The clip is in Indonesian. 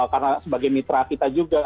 karena sebagai mitra kita juga